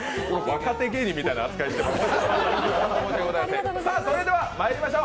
若手芸人みたいな扱いしております。